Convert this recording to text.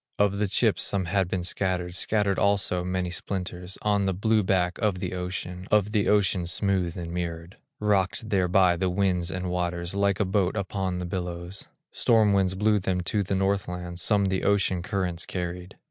Of the chips some had been scattered, Scattered also many splinters, On the blue back of the ocean, Of the ocean smooth and mirrored, Rocked there by the winds and waters, Like a boat upon the billows; Storm winds blew them to the Northland, Some the ocean currents carried.